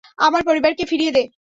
আমার পরিবারকে ফিরিয়ে দে।